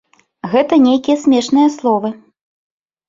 Гэта нейкія смешныя словы.